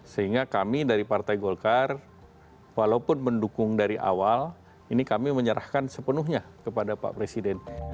sehingga kami dari partai golkar walaupun mendukung dari awal ini kami menyerahkan sepenuhnya kepada pak presiden